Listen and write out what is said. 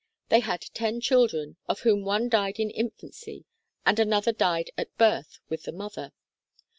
(See Chart II.) They had ten children, of whom one died in infancy and another died at birth with the mother.